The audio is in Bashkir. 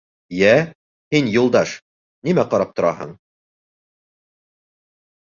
— Йә, һин, Юлдаш, нимә ҡарап тораһың?